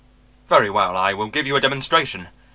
Very well, I will give you a demonstration.